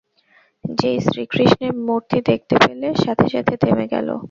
যেই শ্রীকৃষ্ণের মূর্তি দেখতে পেলো, সাথে সাথে থেমে গেলো।